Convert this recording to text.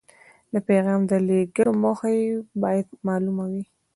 د پیغام د لیږلو موخه یې باید مالومه وي.